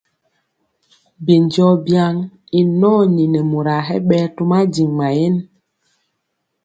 Binjɔɔ byaŋ i nɔɔni nɛ moraa hɛ ɓɛɛ to madiŋ mayen.